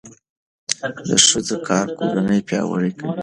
د ښځو کار کورنۍ پیاوړې کوي.